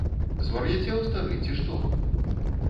Звар'яцеў, стары, цi што?